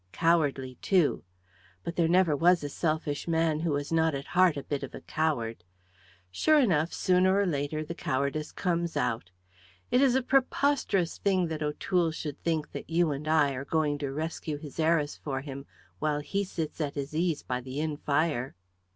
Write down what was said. Cowardly, too! But there never was a selfish man who was not at heart a bit of a coward. Sure enough, sooner or later the cowardice comes out. It is a preposterous thing that O'Toole should think that you and I are going to rescue his heiress for him while he sits at his ease by the inn fire.